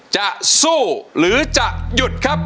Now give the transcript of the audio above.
จะสู้หรือจะหยุดครับ